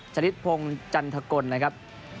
ชนิดพงศ์จันทกลนะครับ